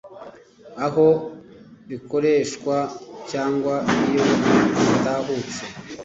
aho bikoreshwa cyangwa iyo bitahutse